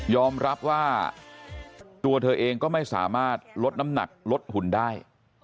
รับว่าตัวเธอเองก็ไม่สามารถลดน้ำหนักลดหุ่นได้